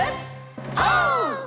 オー！